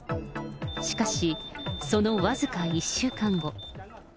しかし、その僅か１週間後。